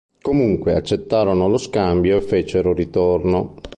Comunque accettarono lo scambio e fecero ritorno.